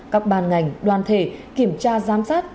các bàn ngành đoàn thể kiểm tra giám sát